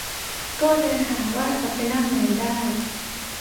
ก็เดินหาว่าจะไปนั่งไหนได้